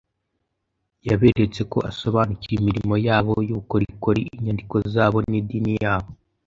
Yaberetse ko asobanukiwe imirimo yabo y’ubukorikori, inyandiko zabo n’idini yabo.